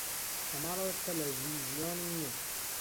لە ماڵەوە تەلەڤیزیۆنم نییە.